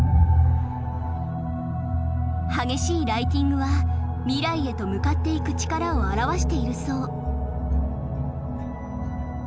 激しいライティングは未来へと向かっていく力を表しているそう。